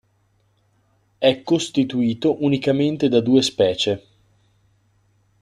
È costituito unicamente da due specie.